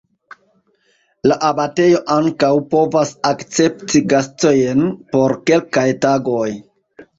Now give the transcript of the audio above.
La abatejo ankaŭ povas akcepti gastojn (ankaŭ grupoj) por kelkaj tagoj.